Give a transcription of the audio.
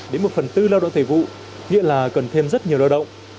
đến một phần tư lao động thời vụ hiện là cần thêm rất nhiều lao động